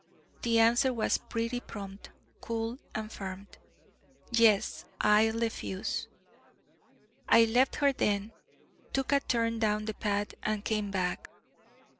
The answer was pretty prompt, cool, and firm: 'Yes; I lefuse.' I left her then, took a turn down the path, and came back.